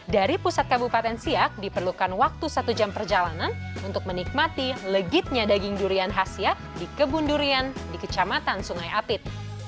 dari pusat kabupaten siak diperlukan waktu satu jam perjalanan untuk menikmati legitnya daging durian khas siak di kebun durian di kecamatan sungai apit